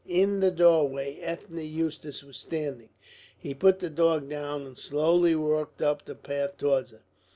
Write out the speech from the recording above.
In the doorway Ethne Eustace was standing. He put the dog down and slowly walked up the path towards her.